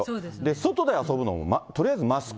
外で遊ぶのもとりあえずマスク。